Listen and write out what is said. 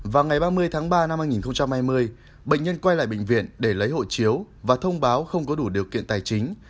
vào ngày ba mươi tháng ba năm hai nghìn hai mươi bệnh nhân quay lại bệnh viện để lấy hộ chiếu và thông báo không có đủ điều kiện tài chính